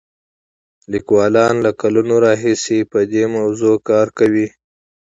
لیکوالان له کلونو راهیسې په دې موضوع کار کوي.